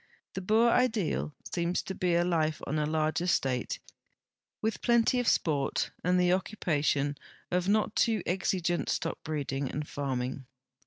The Boer ideal seems to be life on a large estate, with plenty of sport and the occu})ation of not too exigent stockbreeding and farming.